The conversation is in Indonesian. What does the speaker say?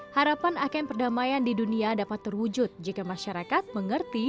harapan akan perdamaian di dunia dapat terwujud jika masyarakat mengerti